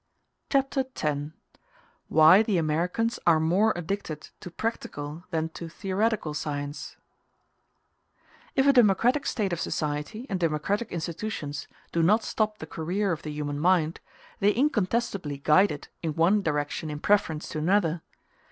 Chapter X: Why The Americans Are More Addicted To Practical Than To Theoretical Science If a democratic state of society and democratic institutions do not stop the career of the human mind, they incontestably guide it in one direction in preference to another.